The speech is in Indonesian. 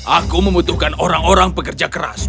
aku membutuhkan orang orang pekerjaan